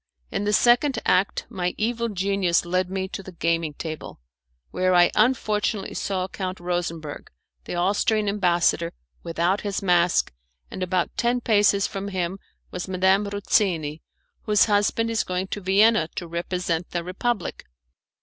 In the second act my evil genius led me to the gaming table, where I unfortunately saw Count Rosenberg, the Austrian ambassador, without his mask, and about ten paces from him was Madame Ruzzini, whose husband is going to Vienna to represent the Republic.